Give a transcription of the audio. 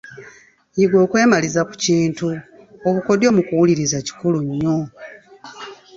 Yiga okwemaliza ku kintu . Obukodyo mu kuwuliriza kikulu nnyo.